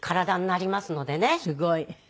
すごい。